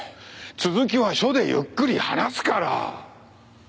続きは署でゆっくり話すから。